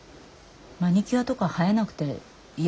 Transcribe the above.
マニキュアとか映えなくて嫌じゃない？